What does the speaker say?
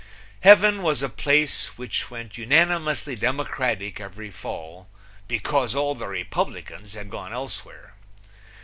Heaven was a place which went unanimously Democratic every fall, because all the Republicans had gone elsewhere.